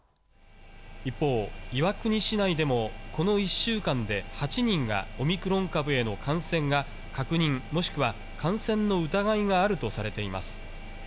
一方、岩国市内でもこの１週間で８人がオミクロン株への感染が確認、もしくは感染の疑いがあるとされています。